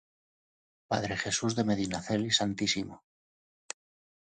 Padre Jesús de Medinaceli, Stmo.